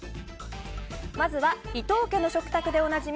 まずは「伊東家の食卓」でおなじみ